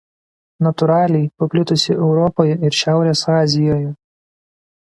Natūraliai paplitusi Europoje ir šiaurės Azijoje.